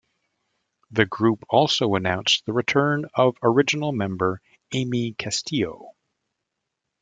The group also announced the return of original member, Aimee Castillo.